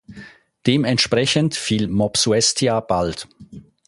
Dementsprechend fiel Mopsuestia bald.